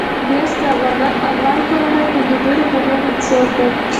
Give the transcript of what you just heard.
مس د افغان کورنیو د دودونو مهم عنصر دی.